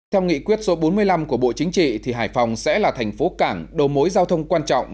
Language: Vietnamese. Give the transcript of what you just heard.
theo nghị quyết số bốn mươi năm của bộ chính trị hải phòng sẽ là thành phố cảng đồ mối giao thông quan trọng